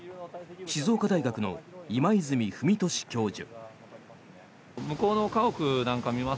静岡大学の今泉文寿教授。